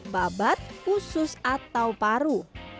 babat usus atau paru